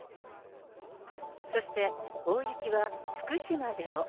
そして大雪は福島でも。